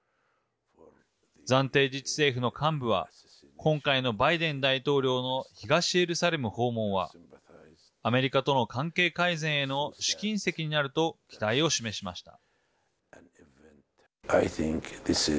暫定自治政府の幹部は今回のバイデン大統領の東エルサレム訪問はアメリカとの関係改善への試金石になると期待を示しました。